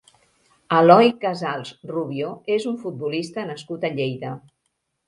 Eloy Casals Rubio és un futbolista nascut a Lleida.